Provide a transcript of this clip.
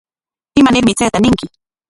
¿Imanarmi chayta ñinki?